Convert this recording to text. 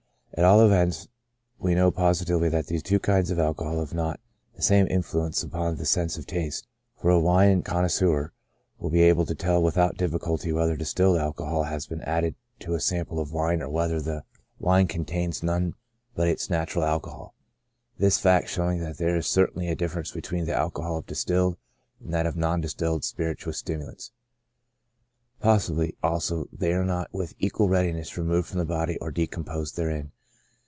At all events we know posi tively that these two kinds of alcohol have not the same influence upon the sense of taste, for a wine connoisseur will be able to tell without difficulty whether distilled alco hol has been added to a sample of wine, or whether the * These sur ITnfluence des Boissons Alcooliques sur la Sante, 1 8 54. PREDISPOSING CAUSES. 4I wine contains none but its natural alcohol ; this fact show ing that there is certainly a difference between the alcohol of distilled and that of non distilled spirituous stimulants. Possibly, also, they are not with equal readiness removed from the body or decomposed therein.